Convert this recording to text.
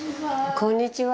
こんにちは。